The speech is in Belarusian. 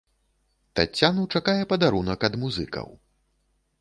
Таццяну чакае падарунак ад музыкаў.